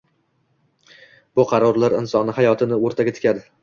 Bu qarorlar insonni hayotini oʻrtaga tikadi